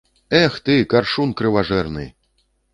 Эх ты, каршун крыважэрны!